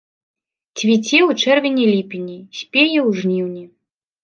Цвіце ў чэрвені-ліпені, спее ў жніўні.